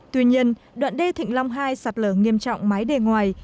tuy nhiên đoạn đê thịnh long hai sạt lở nghiêm trọng máy đề ngoài